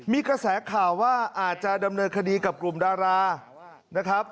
มีกระแสข่าวว่าอาจจะดำเนินคดีกับกลุ่มดารานะครับ